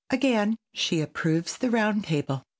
Again she approves the round table.